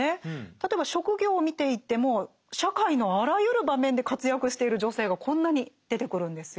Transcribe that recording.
例えば職業を見ていても社会のあらゆる場面で活躍している女性がこんなに出てくるんですよ。